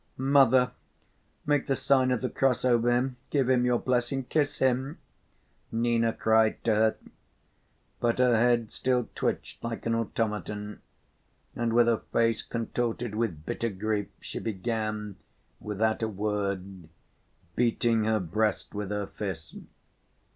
"Mother, make the sign of the cross over him, give him your blessing, kiss him," Nina cried to her. But her head still twitched like an automaton and with a face contorted with bitter grief she began, without a word, beating her breast with her fist.